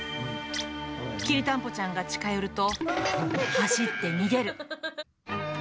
きりたんぽちゃんが近寄ると、走って逃げる。